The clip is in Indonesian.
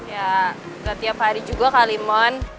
ya gak tiap hari juga kalimon